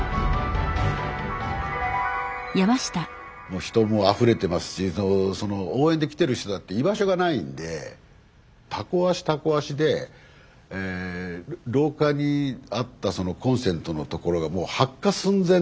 もう人もあふれてますし応援で来てる人だって居場所がないんでタコ足タコ足で廊下にあったコンセントのところがもう発火寸前っていう。